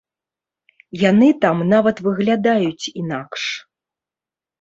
Яны там нават выглядаюць інакш.